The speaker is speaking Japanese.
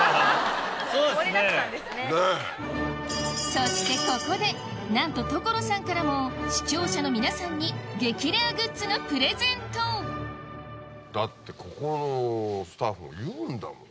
そしてここでなんと所さんからも視聴者の皆さんに激レアグッズのプレゼントだってここのスタッフが言うんだもん。